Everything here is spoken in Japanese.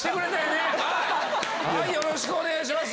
よろしくお願いします。